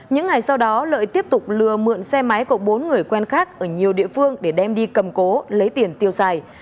những ngày sau đó lợi tiếp tục lừa mượn xe máy của bốn người quen khác ở nhiều địa phương để đem đi cầm cố lấy tiền tiêu xài